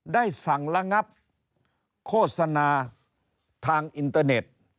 ได้สั่งระงับโฆษณาทางอินเตอร์เน็ต